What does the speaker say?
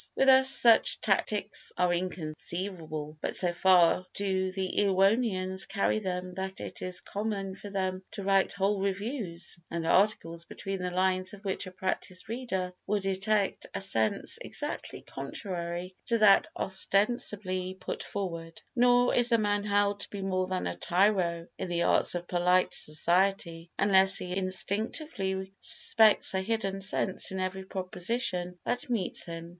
With us such tactics are inconceivable, but so far do the Erewhonians carry them that it is common for them to write whole reviews and articles between the lines of which a practised reader will detect a sense exactly contrary to that ostensibly put forward; nor is a man held to be more than a tyro in the arts of polite society unless he instinctively suspects a hidden sense in every proposition that meets him.